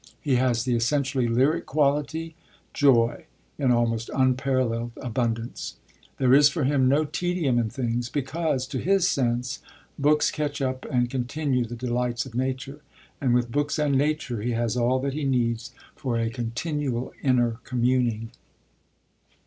He has the essentially lyric quality, joy, in almost unparalleled abundance. There is for him no tedium in things, because, to his sense, books catch up and continue the delights of nature, and with books and nature he has all that he needs for a continual inner communing.